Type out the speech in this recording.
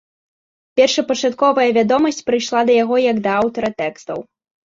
Першапачатковая вядомасць прыйшла да яго як да аўтара тэкстаў.